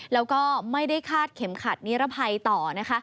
แล้วก็ไม่ได้คาดเข็มขัดนิรภัยต่อนะคะ